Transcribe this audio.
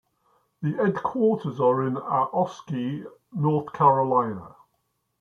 The headquarters are in Ahoskie, North Carolina.